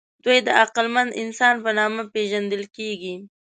دوی د عقلمن انسان په نامه پېژندل کېږي.